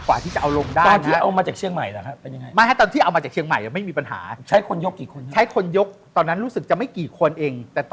วันเอามาก็เอาลงยากมากกว่า